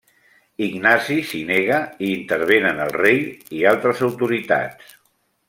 Ignasi s'hi nega i intervenen el rei i altres autoritats.